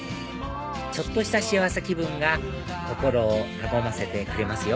ちょっとした幸せ気分が心を和ませてくれますよ